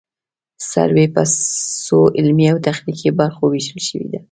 سروې په څو علمي او تخنیکي برخو ویشل شوې ده